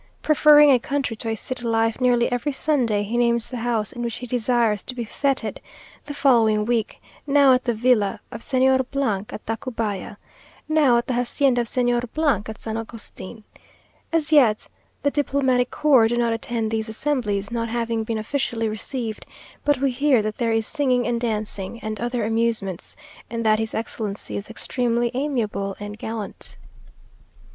Preferring a country to a city life, nearly every Sunday he names the house in which he desires to be fêted the following week now at the villa of Señor at Tacubaya now at the hacienda of Señor at San Agustin. As yet the diplomatic corps do not attend these assemblies, not having been officially received; but we hear that there is singing and dancing, and other amusements, and that his excellency is extremely amiable and galant.